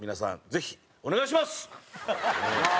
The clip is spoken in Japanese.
ぜひお願いします！